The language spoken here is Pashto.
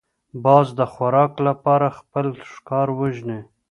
باز د خوراک لپاره خپل ښکار وژني